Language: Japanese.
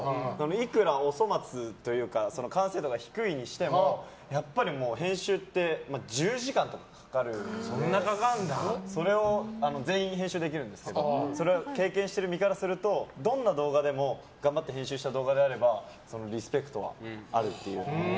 いくらお粗末というか完成度が低いにしてもやっぱり、編集って１０時間とかかかるので全員編集できるんですけどそれを経験している身からするとどんな動画でも頑張って編集した動画であればリスペクトはあるっていう。